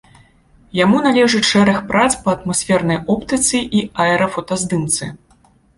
Яму належыць шэраг прац па атмасфернай оптыцы і аэрафотаздымцы.